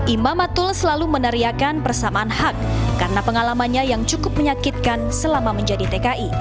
imam matul selalu meneriakan persamaan hak karena pengalamannya yang cukup menyakitkan selama menjadi tki